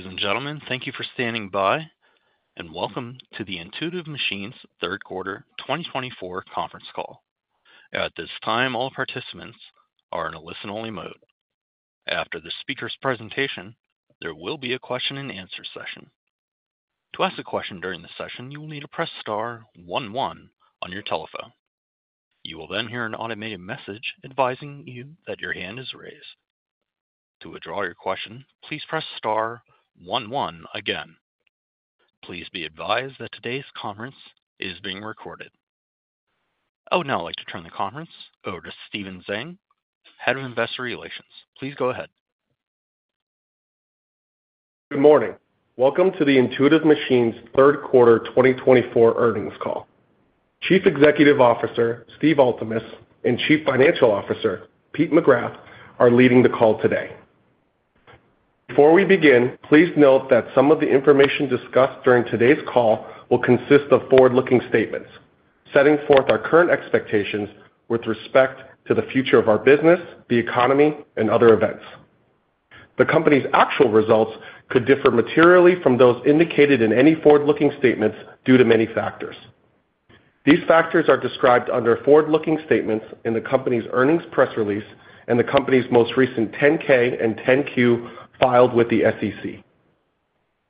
Ladies and gentlemen, thank you for standing by and welcome to the Intuitive Machines Third Quarter 2024 Conference Call. At this time, all participants are in a listen-only mode. After the speaker's presentation, there will be a question-and-answer session. To ask a question during the session, you will need to press star one one on your telephone. You will then hear an automated message advising you that your hand is raised. To withdraw your question, please press star one one again. Please be advised that today's conference is being recorded. Oh, now I'd like to turn the conference over to Stephen Zhang, Head of Investor Relations. Please go ahead. Good morning. Welcome to the Intuitive Machines Third Quarter 2024 Earnings Call. Chief Executive Officer Steve Altemus and Chief Financial Officer Pete McGrath are leading the call today. Before we begin, please note that some of the information discussed during today's call will consist of forward-looking statements, setting forth our current expectations with respect to the future of our business, the economy, and other events. The company's actual results could differ materially from those indicated in any forward-looking statements due to many factors. These factors are described under forward-looking statements in the company's earnings press release and the company's most recent 10-K and 10-Q filed with the SEC.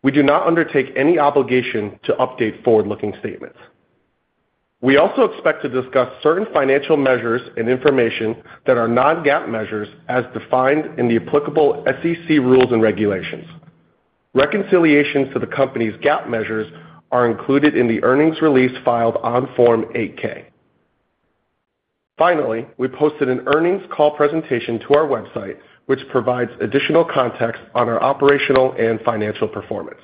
We do not undertake any obligation to update forward-looking statements. We also expect to discuss certain financial measures and information that are non-GAAP measures as defined in the applicable SEC rules and regulations. Reconciliations to the company's GAAP measures are included in the earnings release filed on Form 8-K. Finally, we posted an earnings call presentation to our website, which provides additional context on our operational and financial performance.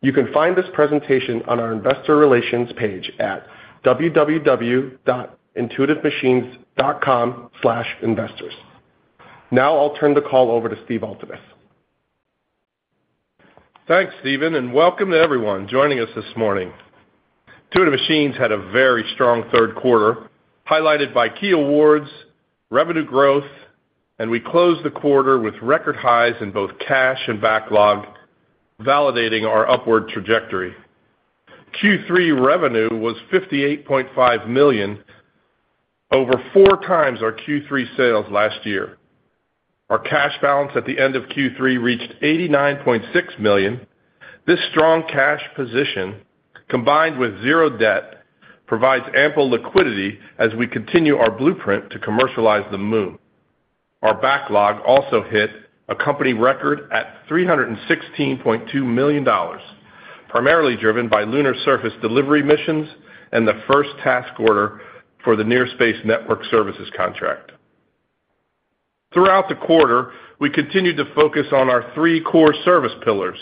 You can find this presentation on our Investor Relations page at www.intuitivemachines.com/investors. Now I'll turn the call over to Steve Altemus. Thanks, Stephen, and welcome to everyone joining us this morning. Intuitive Machines had a very strong third quarter, highlighted by key awards, revenue growth, and we closed the quarter with record highs in both cash and backlog, validating our upward trajectory. Q3 revenue was $58.5 million, over four times our Q3 sales last year. Our cash balance at the end of Q3 reached $89.6 million. This strong cash position, combined with zero debt, provides ample liquidity as we continue our blueprint to commercialize the Moon. Our backlog also hit a company record at $316.2 million, primarily driven by lunar surface delivery missions and the first task order for the Near Space Network Services contract. Throughout the quarter, we continued to focus on our three core service pillars: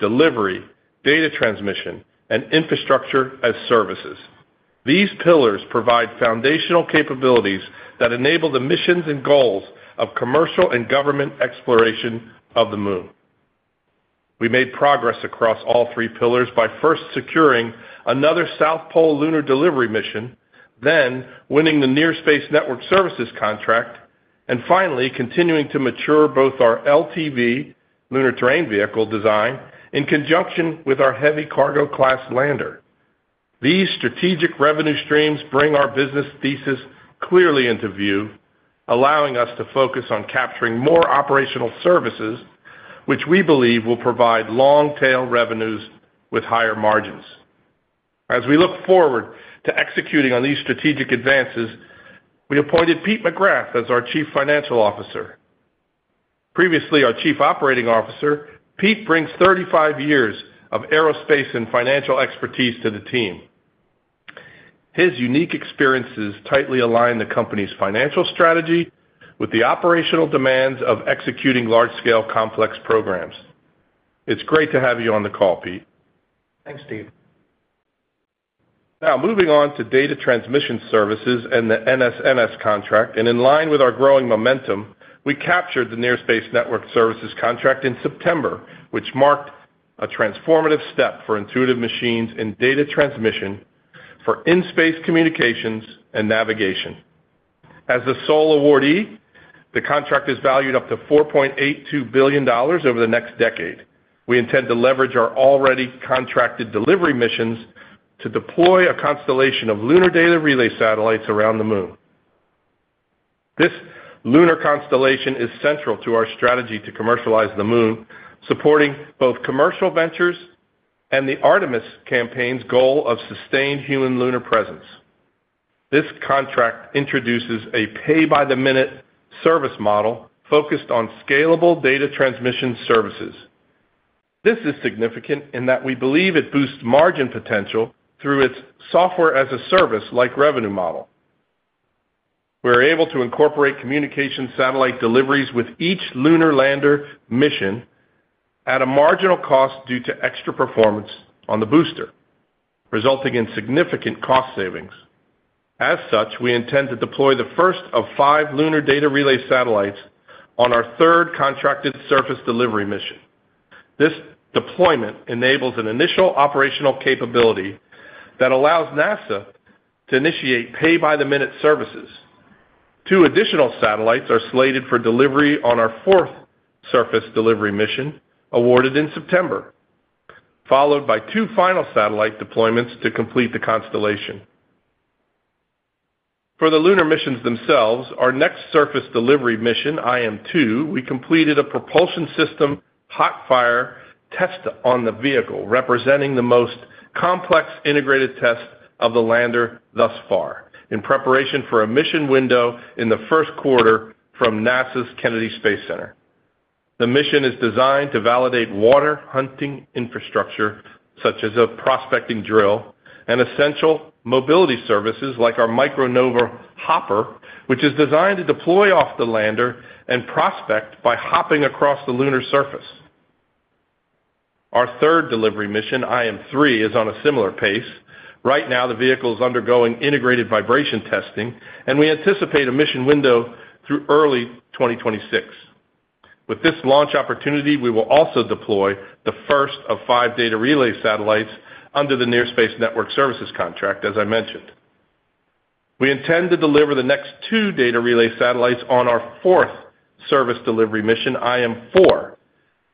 delivery, data transmission, and infrastructure as services. These pillars provide foundational capabilities that enable the missions and goals of commercial and government exploration of the Moon. We made progress across all three pillars by first securing another South Pole lunar delivery mission, then winning the Near Space Network Services contract, and finally continuing to mature both our LTV, Lunar Terrain Vehicle, design in conjunction with our heavy cargo-class lander. These strategic revenue streams bring our business thesis clearly into view, allowing us to focus on capturing more operational services, which we believe will provide long-tail revenues with higher margins. As we look forward to executing on these strategic advances, we appointed Pete McGrath as our Chief Financial Officer. Previously our Chief Operating Officer, Pete brings 35 years of aerospace and financial expertise to the team. His unique experiences tightly align the company's financial strategy with the operational demands of executing large-scale complex programs. It's great to have you on the call, Pete. Thanks, Steve. Now moving on to data transmission services and the NSNS contract, and in line with our growing momentum, we captured the Near Space Network Services contract in September, which marked a transformative step for Intuitive Machines in data transmission for in-space communications and navigation. As the sole awardee, the contract is valued up to $4.82 billion over the next decade. We intend to leverage our already contracted delivery missions to deploy a constellation of lunar data relay satellites around the Moon. This lunar constellation is central to our strategy to commercialize the Moon, supporting both commercial ventures and the Artemis campaign's goal of sustained human lunar presence. This contract introduces a pay-by-the-minute service model focused on scalable data transmission services. This is significant in that we believe it boosts margin potential through its software-as-a-service-like revenue model. We are able to incorporate communication satellite deliveries with each lunar lander mission at a marginal cost due to extra performance on the booster, resulting in significant cost savings. As such, we intend to deploy the first of five lunar data relay satellites on our third contracted surface delivery mission. This deployment enables an initial operational capability that allows NASA to initiate pay-by-the-minute services. Two additional satellites are slated for delivery on our fourth surface delivery mission, awarded in September, followed by two final satellite deployments to complete the constellation. For the lunar missions themselves, our next surface delivery mission, IM-2, we completed a propulsion system hotfire test on the vehicle, representing the most complex integrated test of the lander thus far, in preparation for a mission window in the first quarter from NASA's Kennedy Space Center. The mission is designed to validate water hunting infrastructure, such as a prospecting drill, and essential mobility services like our Micro Nova Hopper, which is designed to deploy off the lander and prospect by hopping across the lunar surface. Our third delivery mission, IM-3, is on a similar pace. Right now, the vehicle is undergoing integrated vibration testing, and we anticipate a mission window through early 2026. With this launch opportunity, we will also deploy the first of five data relay satellites under the Near Space Network Services contract, as I mentioned. We intend to deliver the next two data relay satellites on our fourth service delivery mission, IM-4.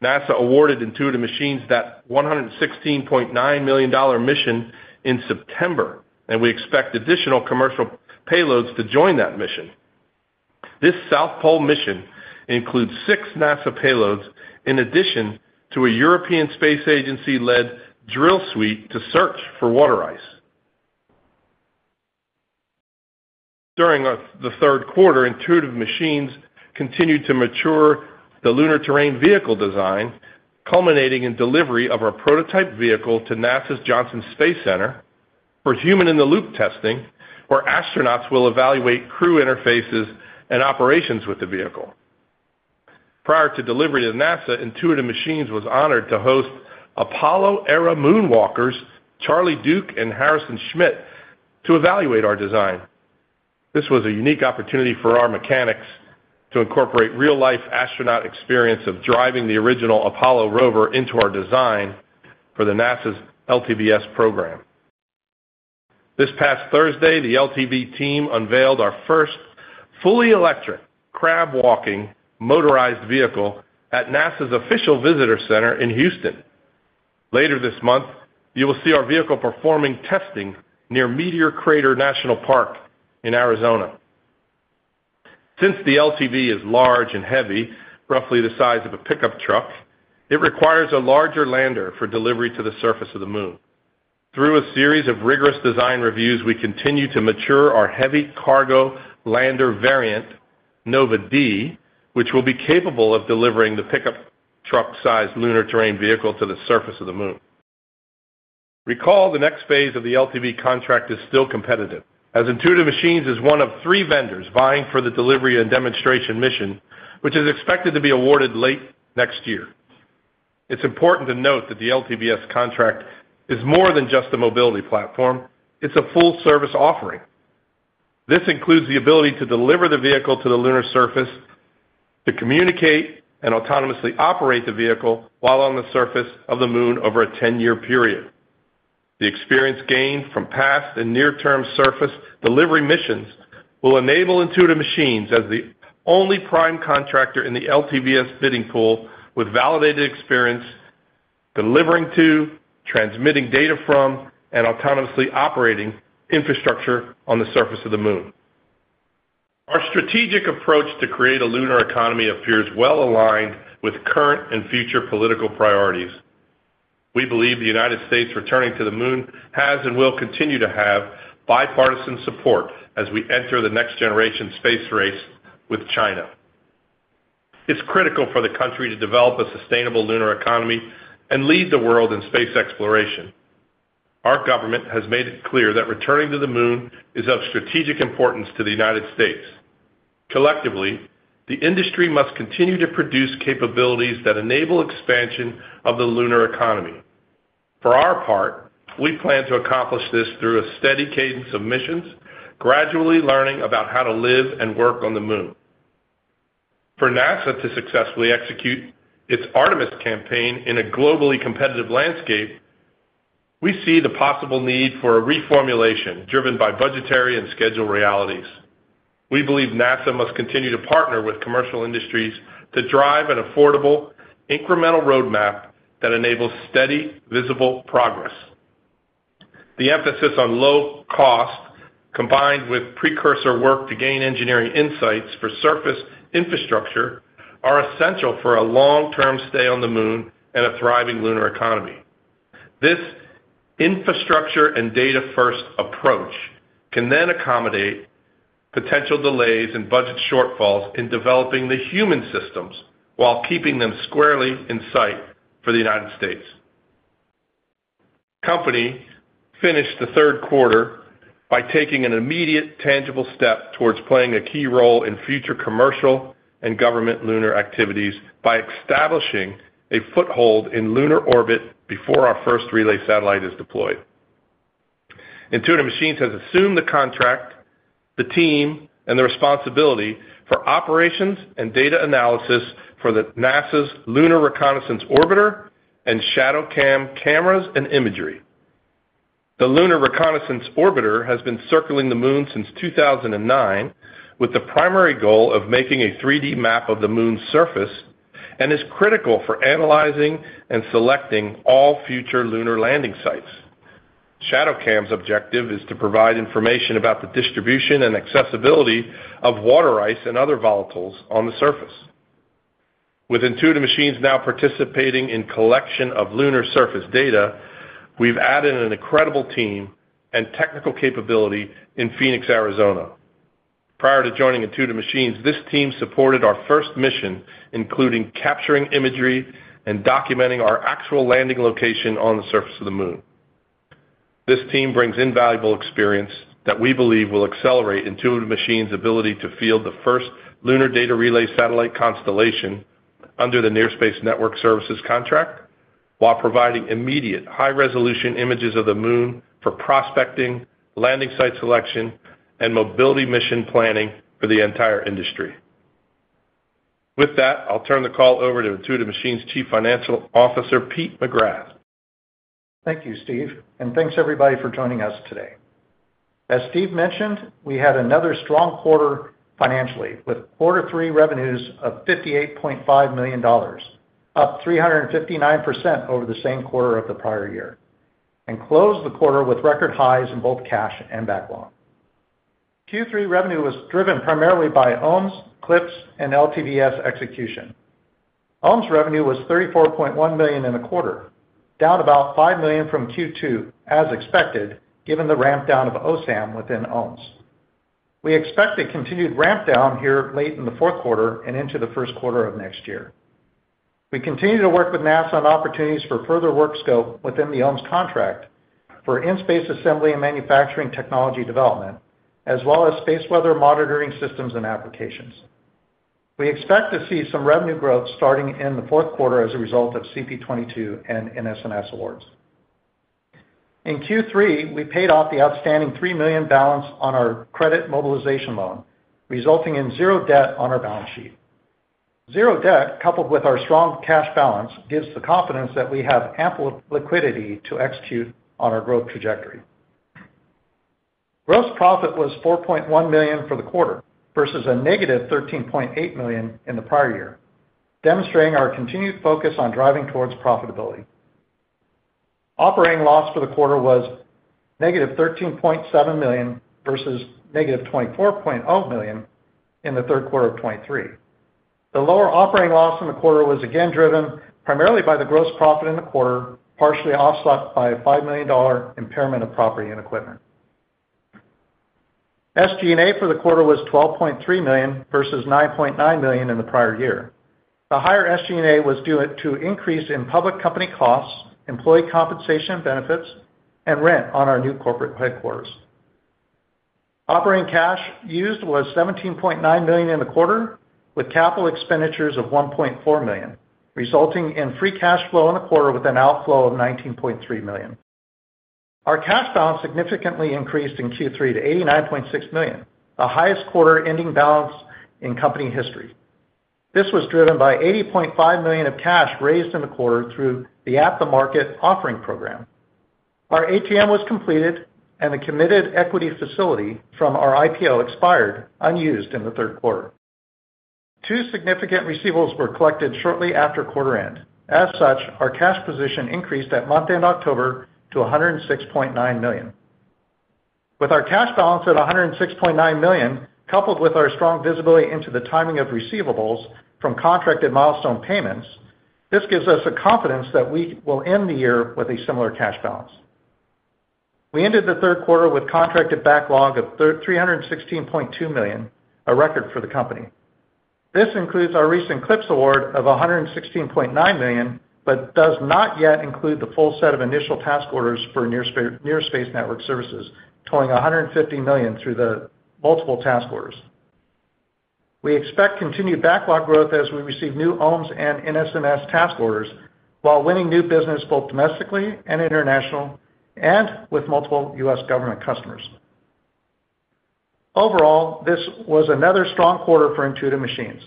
NASA awarded Intuitive Machines that $116.9 million mission in September, and we expect additional commercial payloads to join that mission. This South Pole mission includes six NASA payloads, in addition to a European Space Agency-led drill suite to search for water ice. During the third quarter, Intuitive Machines continued to mature the lunar terrain vehicle design, culminating in delivery of our prototype vehicle to NASA's Johnson Space Center for human-in-the-loop testing, where astronauts will evaluate crew interfaces and operations with the vehicle. Prior to delivery to NASA, Intuitive Machines was honored to host Apollo-era Moonwalkers, Charlie Duke and Harrison Schmitt, to evaluate our design. This was a unique opportunity for our mechanics to incorporate real-life astronaut experience of driving the original Apollo rover into our design for NASA's LTVS program. This past Thursday, the LTV team unveiled our first fully electric crab-walking motorized vehicle at NASA's official visitor center in Houston. Later this month, you will see our vehicle performing testing near Meteor Crater National Park in Arizona. Since the LTV is large and heavy, roughly the size of a pickup truck, it requires a larger lander for delivery to the surface of the Moon. Through a series of rigorous design reviews, we continue to mature our heavy cargo lander variant, Nova D, which will be capable of delivering the pickup truck-sized lunar terrain vehicle to the surface of the Moon. Recall the next phase of the LTV contract is still competitive, as Intuitive Machines is one of three vendors vying for the delivery and demonstration mission, which is expected to be awarded late next year. It's important to note that the LTVS contract is more than just a mobility platform. It's a full-service offering. This includes the ability to deliver the vehicle to the lunar surface, to communicate and autonomously operate the vehicle while on the surface of the Moon over a 10-year period. The experience gained from past and near-term surface delivery missions will enable Intuitive Machines as the only prime contractor in the LTVS bidding pool with validated experience delivering to, transmitting data from, and autonomously operating infrastructure on the surface of the Moon. Our strategic approach to create a lunar economy appears well aligned with current and future political priorities. We believe the United States returning to the Moon has and will continue to have bipartisan support as we enter the next generation space race with China. It's critical for the country to develop a sustainable lunar economy and lead the world in space exploration. Our government has made it clear that returning to the Moon is of strategic importance to the United States. Collectively, the industry must continue to produce capabilities that enable expansion of the lunar economy. For our part, we plan to accomplish this through a steady cadence of missions, gradually learning about how to live and work on the Moon. For NASA to successfully execute its Artemis campaign in a globally competitive landscape, we see the possible need for a reformulation driven by budgetary and schedule realities. We believe NASA must continue to partner with commercial industries to drive an affordable, incremental roadmap that enables steady, visible progress. The emphasis on low cost, combined with precursor work to gain engineering insights for surface infrastructure, are essential for a long-term stay on the Moon and a thriving lunar economy. This infrastructure and data-first approach can then accommodate potential delays and budget shortfalls in developing the human systems while keeping them squarely in sight for the United States. The company finished the third quarter by taking an immediate, tangible step towards playing a key role in future commercial and government lunar activities by establishing a foothold in lunar orbit before our first relay satellite is deployed. Intuitive Machines has assumed the contract, the team, and the responsibility for operations and data analysis for NASA's Lunar Reconnaissance Orbiter and ShadowCam cameras and imagery. The Lunar Reconnaissance Orbiter has been circling the Moon since 2009, with the primary goal of making a 3D map of the Moon's surface, and is critical for analyzing and selecting all future lunar landing sites. ShadowCam's objective is to provide information about the distribution and accessibility of water ice and other volatiles on the surface. With Intuitive Machines now participating in the collection of lunar surface data, we've added an incredible team and technical capability in Phoenix, Arizona. Prior to joining Intuitive Machines, this team supported our first mission, including capturing imagery and documenting our actual landing location on the surface of the Moon. This team brings invaluable experience that we believe will accelerate Intuitive Machines' ability to field the first lunar data relay satellite constellation under the Near Space Network Services contract, while providing immediate, high-resolution images of the Moon for prospecting, landing site selection, and mobility mission planning for the entire industry. With that, I'll turn the call over to Intuitive Machines Chief Financial Officer, Pete McGrath. Thank you, Steve, and thanks everybody for joining us today. As Steve mentioned, we had another strong quarter financially, with quarter three revenues of $58.5 million, up 359% over the same quarter of the prior year, and closed the quarter with record highs in both cash and backlog. Q3 revenue was driven primarily by OMES, CLIPS, and LTVS execution. OMES revenue was $34.1 million in the quarter, down about $5 million from Q2, as expected, given the rampdown of OSAM within OMES. We expect a continued rampdown here late in the fourth quarter and into the first quarter of next year. We continue to work with NASA on opportunities for further work scope within the OMES contract for in-space assembly and manufacturing technology development, as well as space weather monitoring systems and applications. We expect to see some revenue growth starting in the fourth quarter as a result of CP22 and NSNS awards. In Q3, we paid off the outstanding $3 million balance on our credit mobilization loan, resulting in zero debt on our balance sheet. Zero debt, coupled with our strong cash balance, gives the confidence that we have ample liquidity to execute on our growth trajectory. Gross profit was $4.1 million for the quarter, versus a negative $13.8 million in the prior year, demonstrating our continued focus on driving towards profitability. Operating loss for the quarter was negative $13.7 million versus negative $24.0 million in the third quarter of 2023. The lower operating loss in the quarter was again driven primarily by the gross profit in the quarter, partially offset by a $5 million impairment of property and equipment. SG&A for the quarter was $12.3 million versus $9.9 million in the prior year. The higher SG&A was due to increase in public company costs, employee compensation benefits, and rent on our new corporate headquarters. Operating cash used was $17.9 million in the quarter, with capital expenditures of $1.4 million, resulting in free cash flow in the quarter with an outflow of $19.3 million. Our cash balance significantly increased in Q3 to $89.6 million, the highest quarter-ending balance in company history. This was driven by $80.5 million of cash raised in the quarter through the At the Market offering program. Our ATM was completed, and the committed equity facility from our IPO expired, unused in the third quarter. Two significant receivables were collected shortly after quarter-end. As such, our cash position increased at month-end October to $106.9 million. With our cash balance at $106.9 million, coupled with our strong visibility into the timing of receivables from contracted milestone payments, this gives us a confidence that we will end the year with a similar cash balance. We ended the third quarter with contracted backlog of $316.2 million, a record for the company. This includes our recent CLIPS award of $116.9 million, but does not yet include the full set of initial task orders for Near Space Network Services, totaling $150 million through the multiple task orders. We expect continued backlog growth as we receive new OMES and NSNS task orders, while winning new business both domestically and internationally, and with multiple U.S. government customers. Overall, this was another strong quarter for Intuitive Machines.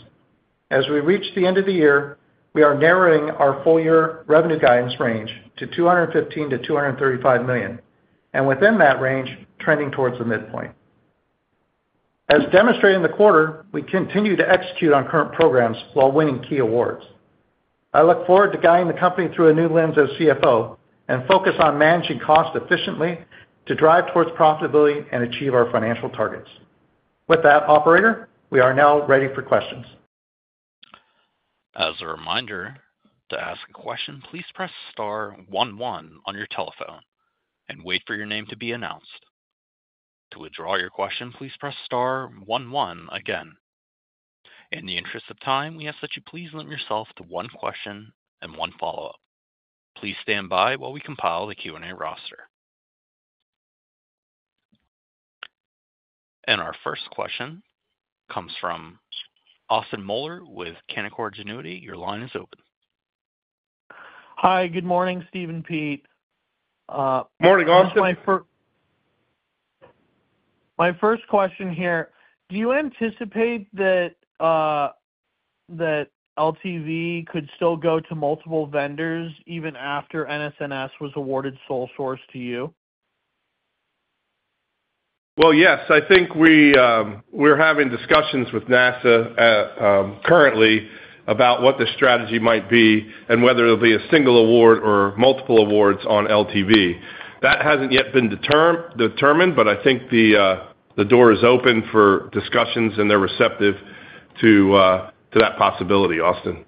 As we reach the end of the year, we are narrowing our full-year revenue guidance range to $215-$235 million, and within that range, trending towards the midpoint. As demonstrated in the quarter, we continue to execute on current programs while winning key awards. I look forward to guiding the company through a new lens as CFO and focus on managing costs efficiently to drive towards profitability and achieve our financial targets. With that, Operator, we are now ready for questions. As a reminder, to ask a question, please press star one one on your telephone and wait for your name to be announced. To withdraw your question, please press star one one again. In the interest of time, we ask that you please limit yourself to one question and one follow-up. Please stand by while we compile the Q&A roster. And our first question comes from Austin Moeller with Canaccord Genuity. Your line is open. Hi, good morning, Stephen, Pete. Morning, Austin. My first question here: do you anticipate that LTV could still go to multiple vendors even after NSNS was awarded sole source to you? Yes. I think we're having discussions with NASA currently about what the strategy might be and whether there'll be a single award or multiple awards on LTV. That hasn't yet been determined, but I think the door is open for discussions, and they're receptive to that possibility, Austin.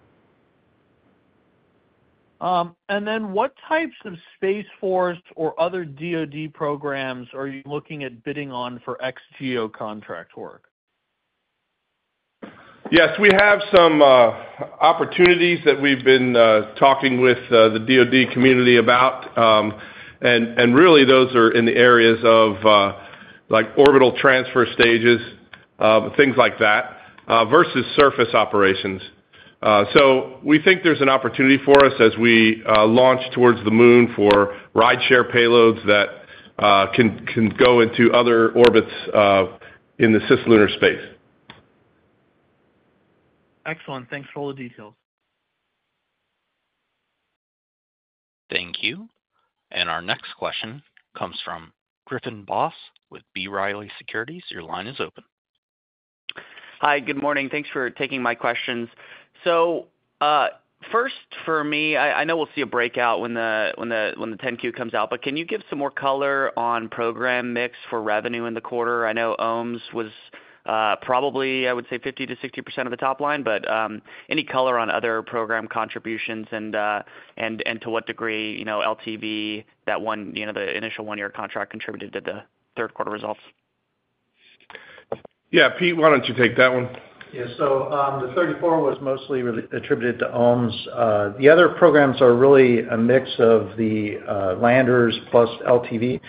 And then what types of Space Force or other DoD programs are you looking at bidding on for ex-GEO contract work? Yes, we have some opportunities that we've been talking with the DoD community about, and really those are in the areas of orbital transfer stages, things like that, versus surface operations. So we think there's an opportunity for us as we launch towards the Moon for rideshare payloads that can go into other orbits in the cislunar space. Excellent. Thanks for all the details. Thank you. And our next question comes from Griffin Boss with B Riley Securities. Your line is open. Hi, good morning. Thanks for taking my questions. So first, for me, I know we'll see a breakout when the 10-Q comes out, but can you give some more color on program mix for revenue in the quarter? I know OMES was probably, I would say, 50%-60% of the top line, but any color on other program contributions and to what degree LTV, that one, the initial one-year contract, contributed to the third quarter results? Yeah, Pete, why don't you take that one? Yeah, so the 34 was mostly attributed to OMES. The other programs are really a mix of the landers plus LTV.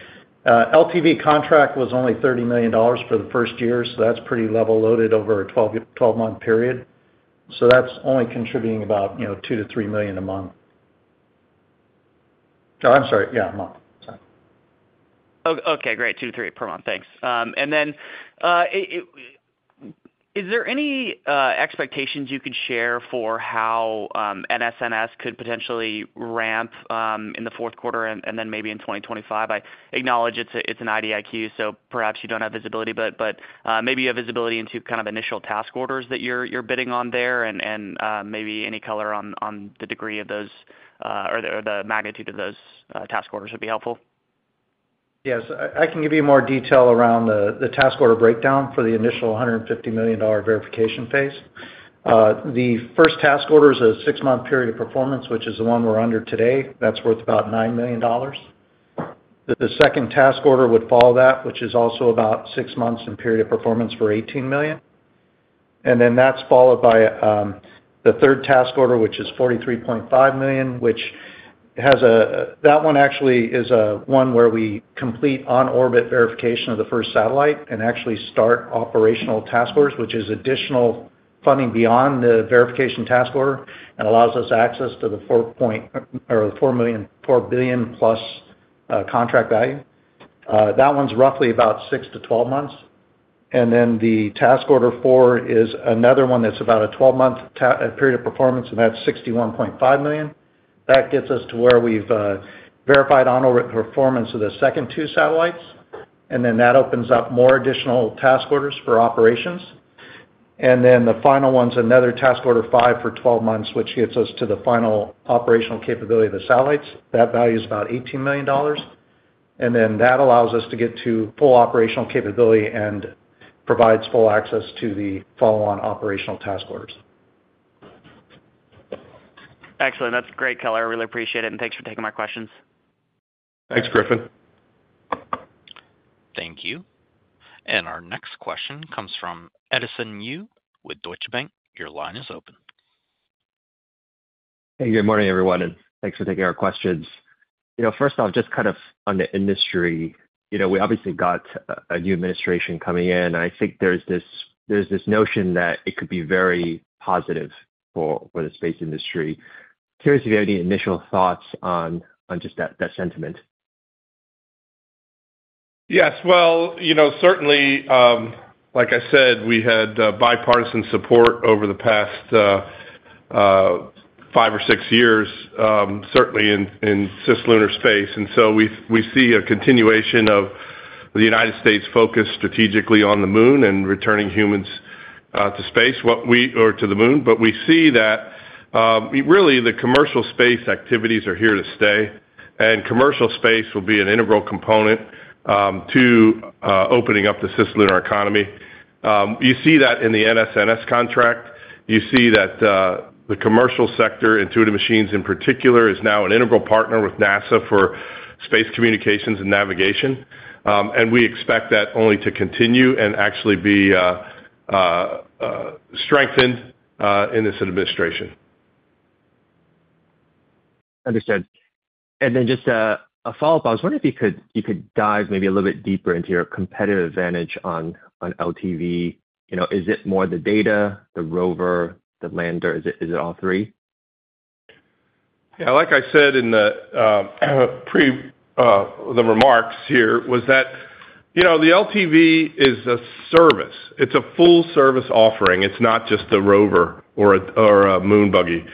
LTV contract was only $30 million for the first year, so that's pretty level loaded over a 12-month period. So that's only contributing about $2-$3 million a month. Oh, I'm sorry. Yeah, a month. Sorry. Okay, great. Two to three per month. Thanks. And then is there any expectations you could share for how NSNS could potentially ramp in the fourth quarter and then maybe in 2025? I acknowledge it's an IDIQ, so perhaps you don't have visibility, but maybe you have visibility into kind of initial task orders that you're bidding on there, and maybe any color on the degree of those or the magnitude of those task orders would be helpful. Yes, I can give you more detail around the task order breakdown for the initial $150 million verification phase. The first task order is a six-month period of performance, which is the one we're under today. That's worth about $9 million. The second task order would follow that, which is also about six months in period of performance for $18 million. And then that's followed by the third task order, which is $43.5 million, that one actually is a one where we complete on-orbit verification of the first satellite and actually start operational task orders, which is additional funding beyond the verification task order and allows us access to the $4 billion plus contract value. That one's roughly about 6-12 months. And then the task order four is another one that's about a 12-month period of performance, and that's $61.5 million. That gets us to where we've verified on-orbit performance of the second two satellites, and then that opens up more additional task orders for operations. And then the final one's another task order five for 12 months, which gets us to the final operational capability of the satellites. That value is about $18 million. And then that allows us to get to full operational capability and provides full access to the follow-on operational task orders. Excellent. That's great color. I really appreciate it, and thanks for taking my questions. Thanks, Griffin. Thank you. And our next question comes from Edison Yu with Deutsche Bank. Your line is open. Hey, good morning, everyone, and thanks for taking our questions. First off, just kind of on the industry, we obviously got a new administration coming in, and I think there's this notion that it could be very positive for the space industry. Curious if you have any initial thoughts on just that sentiment? Yes, well, certainly, like I said, we had bipartisan support over the past five or six years, certainly in cislunar space, and so we see a continuation of the United States' focus strategically on the Moon and returning humans to space or to the Moon, but we see that really the commercial space activities are here to stay, and commercial space will be an integral component to opening up the cislunar economy. You see that in the NSNS contract. You see that the commercial sector, Intuitive Machines in particular, is now an integral partner with NASA for space communications and navigation, and we expect that only to continue and actually be strengthened in this administration. Understood, and then just a follow-up. I was wondering if you could dive maybe a little bit deeper into your competitive advantage on LTV. Is it more the data, the rover, the lander? Is it all three? Yeah, like I said in the remarks here, was that the LTV is a service. It's a full-service offering. It's not just the rover or a Moon buggy.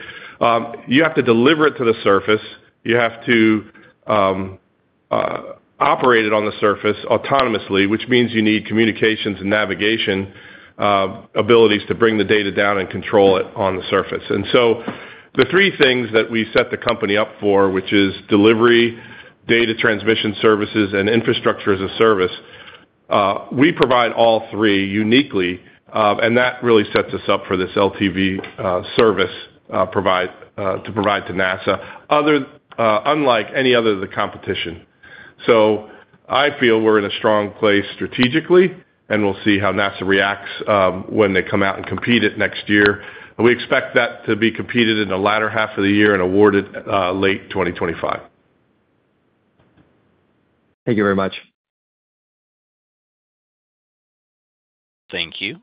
You have to deliver it to the surface. You have to operate it on the surface autonomously, which means you need communications and navigation abilities to bring the data down and control it on the surface. And so the three things that we set the company up for, which is delivery, data transmission services, and infrastructure as a service, we provide all three uniquely. And that really sets us up for this LTV service to provide to NASA, unlike any other of the competition. So I feel we're in a strong place strategically, and we'll see how NASA reacts when they come out and compete it next year. We expect that to be completed in the latter half of the year and awarded late 2025. Thank you very much. Thank you.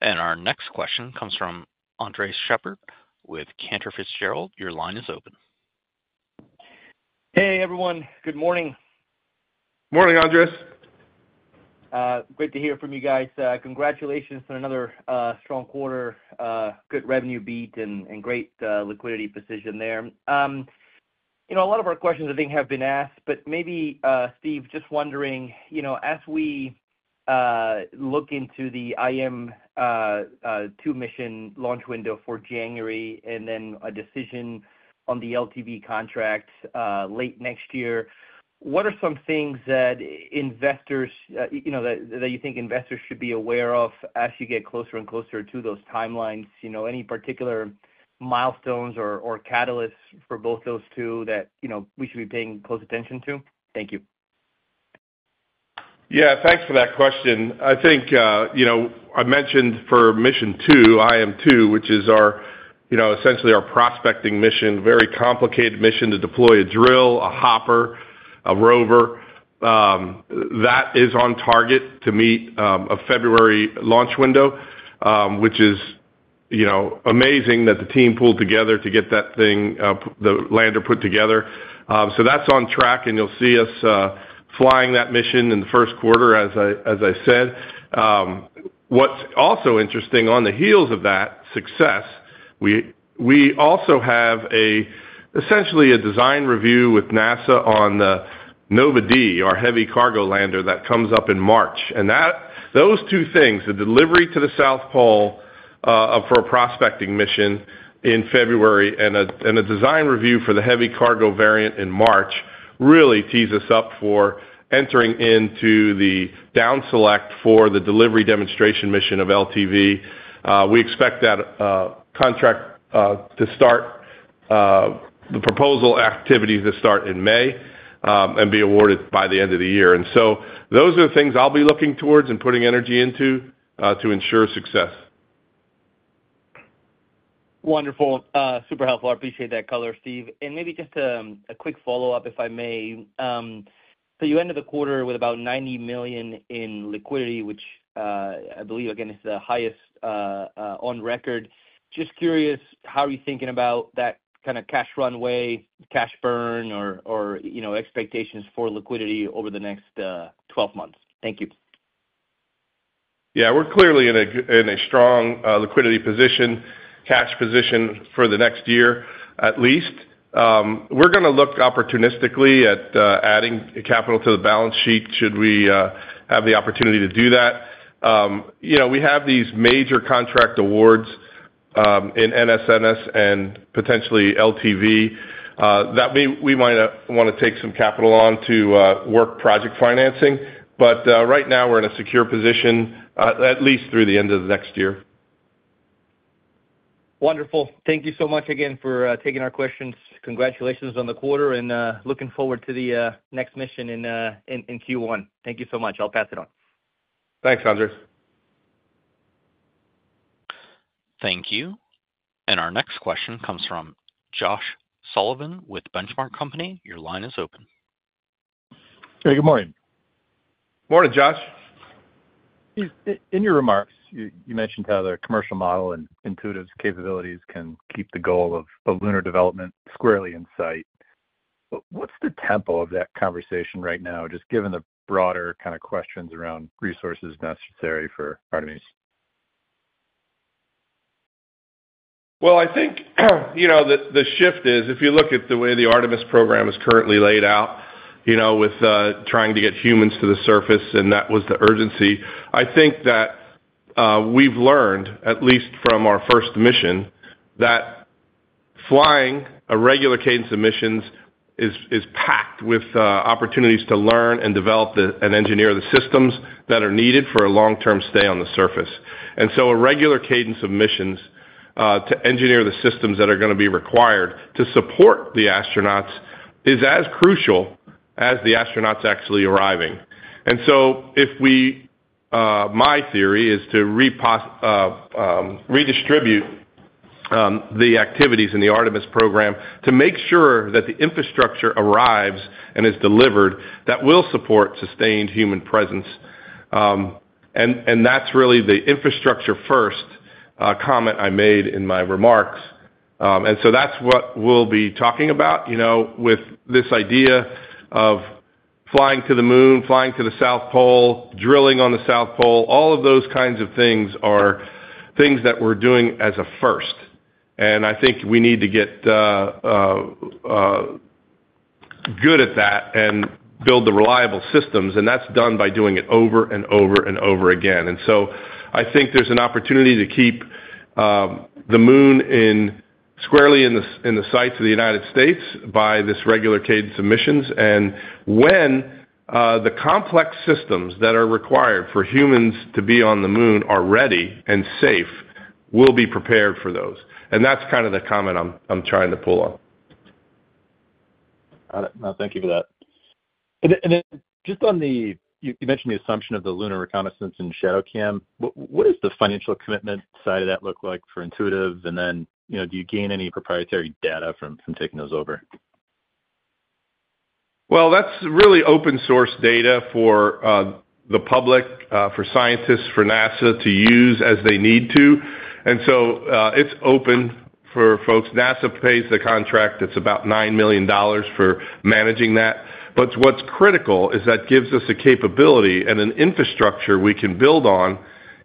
And our next question comes from Andres Sheppard with Cantor Fitzgerald. Your line is open. Hey, everyone. Good morning. Morning, Andres. Great to hear from you guys. Congratulations on another strong quarter, good revenue beat, and great liquidity position there. A lot of our questions, I think, have been asked, but maybe, Steve, just wondering, as we look into the IM-2 mission launch window for January and then a decision on the LTV contract late next year, what are some things that you think investors should be aware of as you get closer and closer to those timelines? Any particular milestones or catalysts for both those two that we should be paying close attention to? Thank you. Yeah, thanks for that question. I think I mentioned for mission two, IM-2, which is essentially our prospecting mission, very complicated mission to deploy a drill, a hopper, a rover. That is on target to meet a February launch window, which is amazing that the team pulled together to get that thing, the lander put together. So that's on track, and you'll see us flying that mission in the first quarter, as I said. What's also interesting on the heels of that success, we also have essentially a design review with NASA on the Nova D, our heavy cargo lander that comes up in March. And those two things, the delivery to the South Pole for a prospecting mission in February and a design review for the heavy cargo variant in March, really tease us up for entering into the down select for the delivery demonstration mission of LTV. We expect that contract to start, the proposal activities to start in May and be awarded by the end of the year, and so those are the things I'll be looking towards and putting energy into to ensure success. Wonderful. Super helpful. I appreciate that color, Steve. And maybe just a quick follow-up, if I may. So you ended the quarter with about $90 million in liquidity, which I believe, again, is the highest on record. Just curious, how are you thinking about that kind of cash runway, cash burn, or expectations for liquidity over the next 12 months? Thank you. Yeah, we're clearly in a strong liquidity position, cash position for the next year at least. We're going to look opportunistically at adding capital to the balance sheet should we have the opportunity to do that. We have these major contract awards in NSNS and potentially LTV that we might want to take some capital on to work project financing. But right now, we're in a secure position, at least through the end of the next year. Wonderful. Thank you so much again for taking our questions. Congratulations on the quarter, and looking forward to the next mission in Q1. Thank you so much. I'll pass it on. Thanks, Andres. Thank you. Our next question comes from Josh Sullivan with Benchmark Company. Your line is open. Hey, good morning. Morning, Josh. In your remarks, you mentioned how the commercial model and Intuitive's capabilities can keep the goal of lunar development squarely in sight. What's the tempo of that conversation right now, just given the broader kind of questions around resources necessary for Artemis? Well, I think the shift is, if you look at the way the Artemis program is currently laid out with trying to get humans to the surface, and that was the urgency. I think that we've learned, at least from our first mission, that flying a regular cadence of missions is packed with opportunities to learn and develop and engineer the systems that are needed for a long-term stay on the surface, and so a regular cadence of missions to engineer the systems that are going to be required to support the astronauts is as crucial as the astronauts actually arriving. And so if we, my theory is to redistribute the activities in the Artemis program to make sure that the infrastructure arrives and is delivered that will support sustained human presence. And that's really the infrastructure-first comment I made in my remarks. And so that's what we'll be talking about with this idea of flying to the Moon, flying to the South Pole, drilling on the South Pole. All of those kinds of things are things that we're doing as a first. And I think we need to get good at that and build the reliable systems. And that's done by doing it over and over and over again. And so I think there's an opportunity to keep the Moon squarely in the sights of the United States by this regular cadence of missions. And when the complex systems that are required for humans to be on the Moon are ready and safe, we'll be prepared for those. And that's kind of the comment I'm trying to pull on. Got it. No, thank you for that. And then just on the—you mentioned the assumption of the Lunar Reconnaissance Orbiter and ShadowCam. What does the financial commitment side of that look like for Intuitive? And then do you gain any proprietary data from taking those over? That's really open-source data for the public, for scientists, for NASA to use as they need to. And so it's open for folks. NASA pays the contract. It's about $9 million for managing that. But what's critical is that gives us a capability and an infrastructure we can build on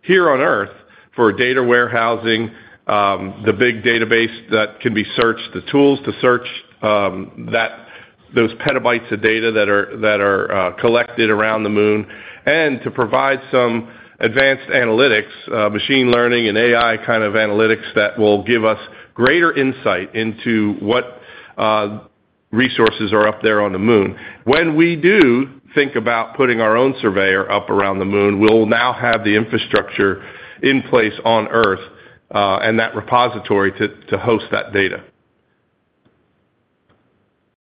here on Earth for data warehousing, the big database that can be searched, the tools to search those petabytes of data that are collected around the Moon, and to provide some advanced analytics, machine learning, and AI kind of analytics that will give us greater insight into what resources are up there on the Moon. When we do think about putting our own surveyor up around the Moon, we'll now have the infrastructure in place on Earth and that repository to host that data.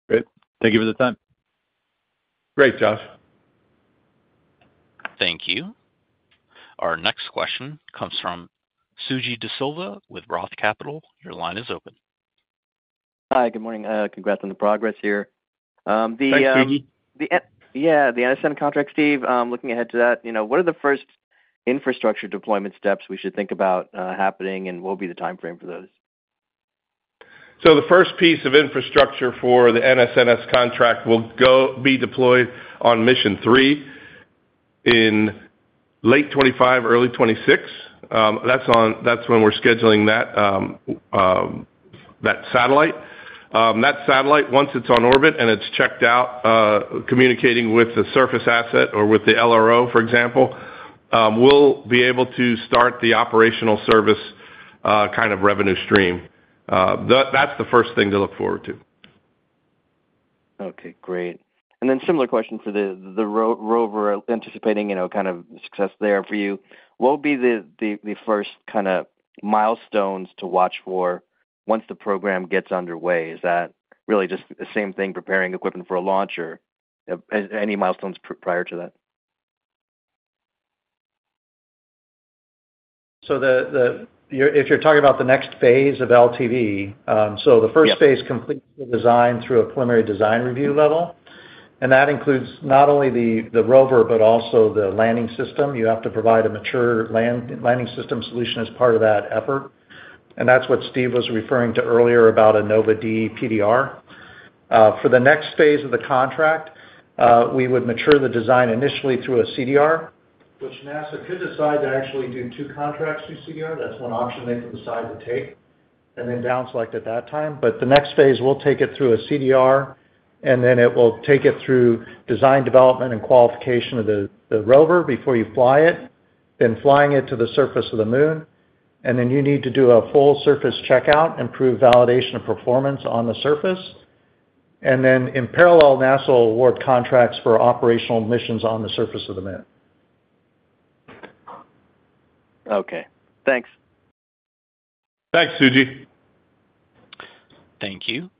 Great. Thank you for the time. Great, Josh. Thank you. Our next question comes from Suji Desilva with Roth Capital. Your line is open. Hi, good morning. Congrats on the progress here. Thanks, Suji. Yeah, the NSNS contract, Steve, looking ahead to that, what are the first infrastructure deployment steps we should think about happening, and what will be the timeframe for those? The first piece of infrastructure for the NSNS contract will be deployed on mission three in late 2025, early 2026. That's when we're scheduling that satellite. That satellite, once it's on orbit and it's checked out, communicating with the surface asset or with the LRO, for example, we'll be able to start the operational service kind of revenue stream. That's the first thing to look forward to. Okay, great. And then similar question for the rover, anticipating kind of success there for you. What will be the first kind of milestones to watch for once the program gets underway? Is that really just the same thing, preparing equipment for a launch or any milestones prior to that? If you're talking about the next phase of LTV, the first phase completes the design through a preliminary design review level. That includes not only the rover but also the landing system. You have to provide a mature landing system solution as part of that effort. That's what Steve was referring to earlier about a Nova D PDR. For the next phase of the contract, we would mature the design initially through a CDR, which NASA could decide to actually do two contracts through CDR. That's one option they can decide to take. Then down select at that time. The next phase, we'll take it through a CDR, and then it will take it through design, development, and qualification of the rover before you fly it, then flying it to the surface of the Moon. And then you need to do a full surface checkout and prove validation of performance on the surface. And then in parallel, NASA will award contracts for operational missions on the surface of the Moon. Okay. Thanks. Thanks, Suji. Thank you.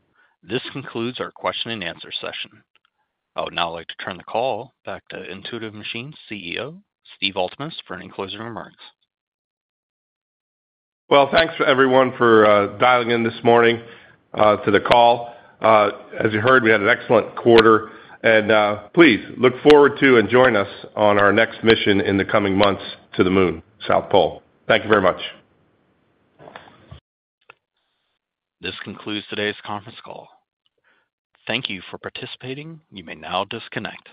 This concludes our question and answer session. I would now like to turn the call back to Intuitive Machines CEO, Steve Altemus, for any closing remarks. Thanks for everyone for dialing in this morning to the call. As you heard, we had an excellent quarter. Please look forward to and join us on our next mission in the coming months to the Moon, South Pole. Thank you very much. This concludes today's conference call. Thank you for participating. You may now disconnect.